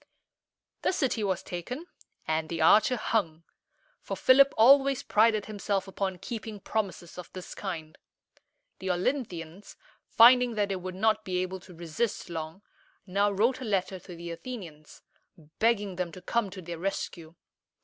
The city was taken, and the archer hung; for Philip always prided himself upon keeping promises of this kind. The Olynthians, finding that they would not be able to resist long, now wrote a letter to the Athenians, begging them to come to their rescue.